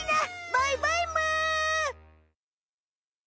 バイバイむ！